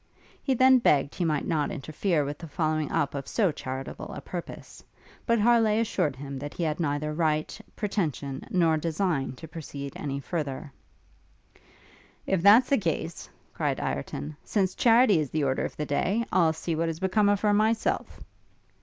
He then begged he might not interfere with the following up of so charitable a purpose: but Harleigh assured him that he had neither right, pretension, nor design to proceed any farther. 'If that's the case,' cried Ireton, 'since charity is the order of the day, I'll see what is become of her myself.'